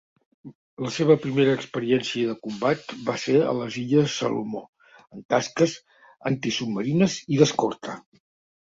La seva primera experiència de combat va ser a les Illes Salomó en tasques antisubmarines i d'escorta.